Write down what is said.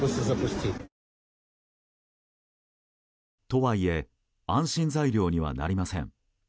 とはいえ安心材料にはなりません。